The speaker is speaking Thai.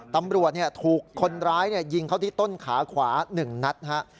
ตำรวจถูกคนร้ายยิงเข้าที่ต้นขาขวา๑นัดฮะ